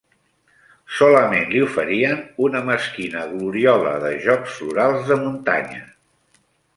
Solament li oferien una mesquina gloriola de Jocs Florals de muntanya.